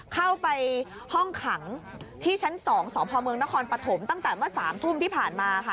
เข้าไปห้องขังที่ชั้น๒สพเมืองนครปฐมตั้งแต่เมื่อ๓ทุ่มที่ผ่านมาค่ะ